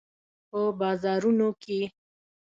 په بازارونو کې